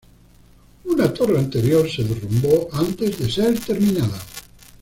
Una torre anterior se derrumbó antes de ser terminada.